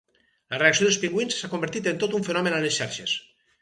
La reacció dels pingüins s’ha convertit en tot un fenomen a les xarxes.